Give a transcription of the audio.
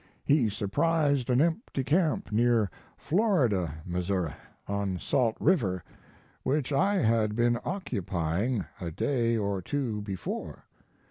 He surprised an empty camp near Florida, Missouri, on Salt River, which I had been occupying a day or two before.